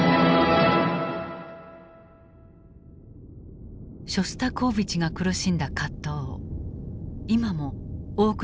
ショスタコーヴィチが苦しんだ葛藤を今も多くの芸術家が抱えている。